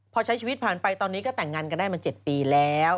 พอใช้ชีวิตผ่านไปตอนนี้ก็แต่งงานกันได้มา๗ปีแล้ว